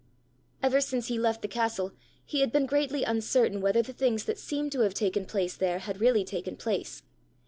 Ever since he left the castle he had been greatly uncertain whether the things that seemed to have taken place there, had really taken place.